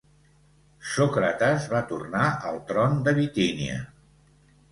Sòcrates va tornar al tron de Bitínia.